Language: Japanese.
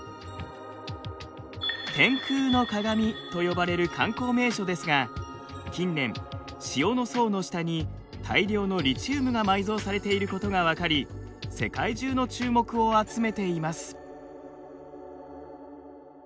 天空の鏡と呼ばれる観光名所ですが近年塩の層の下に大量のリチウムが埋蔵されていることが分かり世界中の注目を集めています。